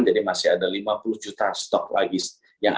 jadi masih ada lima puluh juta stok lagi yang